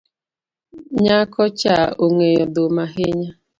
Nyako cha ongeyo dhum ahinya